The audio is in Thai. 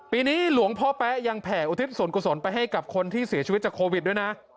ปีนี้หลวงพ่อแป๊ะยังแผ่อุทิศส่วนกุศลไปให้กับคนที่เสียชีวิตจากโควิดด้วยนะ